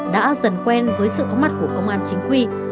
đã dần quen với sự có mặt của công an chính quy